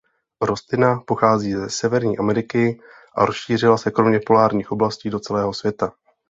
Rostlina pochází ze Severní Ameriky a rozšířila se kromě polárních oblastí do celého světa.